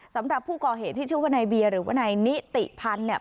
สำหรับผู้ก่อเหตุที่ชื่อวนัยเบียร์หรือวนัยนิติพันธุ์